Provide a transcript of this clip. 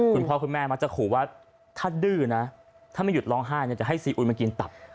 คุณพ่อคุณแม่มักจะขู่ว่าถ้าดื้อนะถ้าไม่หยุดร้องไห้จะให้ซีอุยมากินตับ